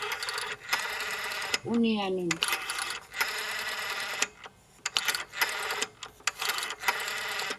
unianun